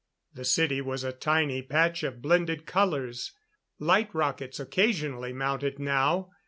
The city was a tiny patch of blended colors. Light rockets occasionally mounted now.